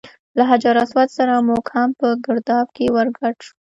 له حجر اسود سره موږ هم په ګرداب کې ور ګډ شو.